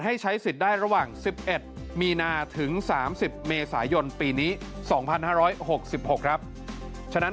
ให้ใช้สิทธิ์ได้ระหว่าง๑๑มีนาถึง๓๐เมษายนปีนี้๒๕๖๖ครับฉะนั้น